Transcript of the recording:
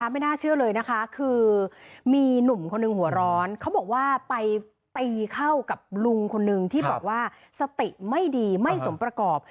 ไม่น่าเชื่อเลยนะคะคือมีหนุ่มคนหนึ่งหัวร้อนเขาบอกว่าไปตีเข้ากับลุงคนนึงที่บอกว่าสติไม่ดีไม่สมประกอบ